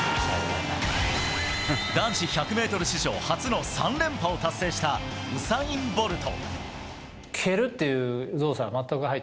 勝男子１００メートル史上初の３連覇を達成したウサイン・ボルト。